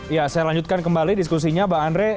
ya saya lanjutkan kembali diskusinya mbak andre